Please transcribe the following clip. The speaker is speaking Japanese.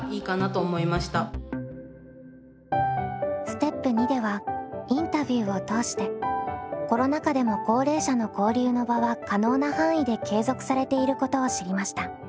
ステップ２ではインタビューを通してコロナ禍でも高齢者の交流の場は可能な範囲で継続されていることを知りました。